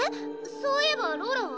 そういえばローラは？